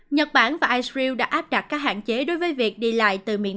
nhật bản và israel đã áp đặt các hạn chế đối với việc đi lại từ miền nam